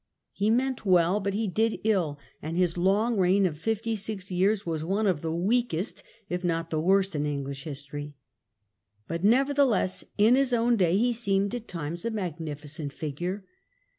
He meant well, but he did ill; and his long reign of fifty six years was one of the weakest if not the worst in English history. But, never theless, in his own day he seemed at times a magnificent figure.